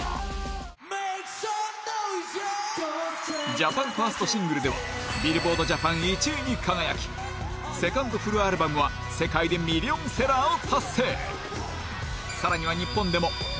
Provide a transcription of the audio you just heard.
ジャパンファーストシングルでは ＢｉｌｌｂｏａｒｄＪＡＰＡＮ１ 位に輝きセカンドフルアルバムは世界でミリオンセラーを達成